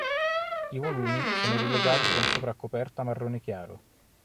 I volumi sono rilegati con sopraccoperta marrone chiaro.